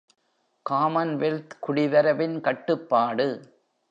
Commonwealth குடிவரவின் கட்டுப்பாடு.